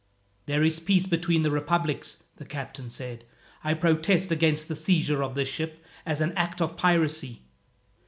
"There is peace between the republics," the captain said. "I protest against the seizure of this ship, as an act of piracy."